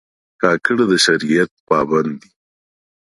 کاکړ د شریعت پابند دي.